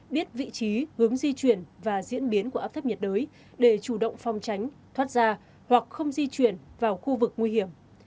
biết vị trí hướng di chuyển và diễn biến của áp thấp nhiệt đới để chủ động phòng tránh thoát ra hoặc không di chuyển vào khu vực nguy hiểm